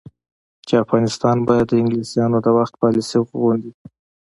چې افغانستان به د انګلیسانو د وخت پالیسي غوندې،